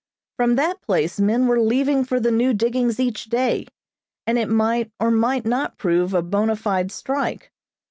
From that place men were leaving for the new diggings each day, and it might or might not prove a bona fide strike.